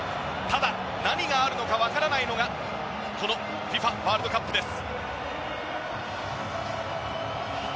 ただ、何があるのか分からないのがＦＩＦＡワールドカップです。